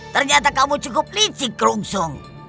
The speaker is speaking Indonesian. ternyata kamu cukup licik kerungsung